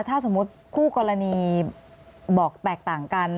ถ้าสมมุติคู่กรณีบอกแตกต่างกัน